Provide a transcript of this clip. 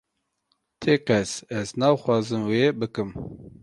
Tekez ez naxwazim vê bikim